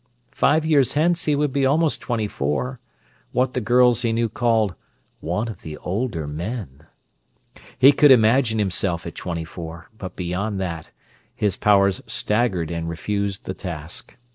Five years hence he would be almost twenty four; what the girls he knew called "one of the older men." He could imagine himself at twenty four, but beyond that, his powers staggered and refused the task.